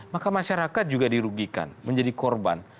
maka masyarakat juga dirugikan menjadi korban